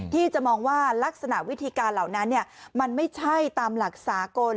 ที่จะมองว่าลักษณะวิธีการเหล่านั้นมันไม่ใช่ตามหลักสากล